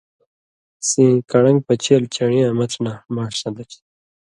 سیں کڑن٘گ پچېل چَڑِیں یاں مڅھہۡ نہ ماݜ سن٘دہ چھی۔